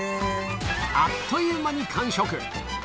あっという間に完食。